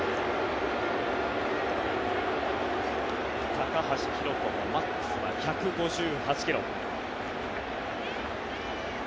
高橋宏斗のマックスは１５８ｋｍ。